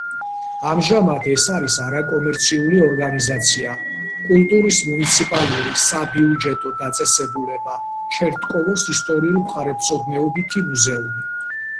ამჟამად ეს არის არაკომერციული ორგანიზაცია „კულტურის მუნიციპალური საბიუჯეტო დაწესებულება ჩერტკოვოს ისტორიულ-მხარეთმცოდნეობითი მუზეუმი“.